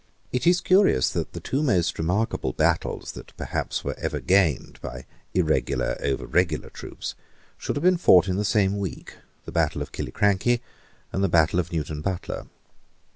It is curious that the two most remarkable battles that perhaps were ever gained by irregular over regular troops should have been fought in the same week; the battle of Killiecrankie, and the battle of Newton Butler.